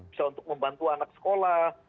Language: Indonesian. bisa untuk membantu anak sekolah